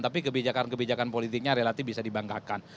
tapi kebijakan kebijakan politiknya relatif bisa dibanggakan